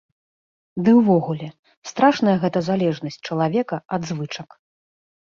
Ды ўвогуле, страшная гэта залежнасць чалавека ад звычак.